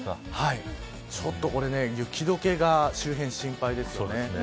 ちょっと雪解けが周辺、心配ですよね。